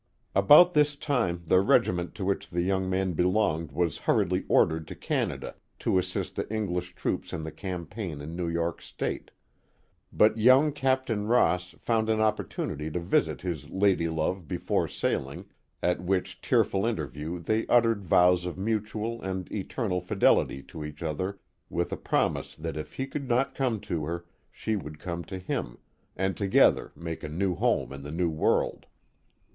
About this time the regiment to which the young man be longed was hurriedly ordered to Canada to assist the English troops in the campaign in New York State ; but young Captain Ross found an opportunity to visit his lady love before sailing, at which tearful interview they uttered vows of mutual and eternal fidelity to each other with a promise that if he could not come to her, she would come to him, and together make a new home in the New World.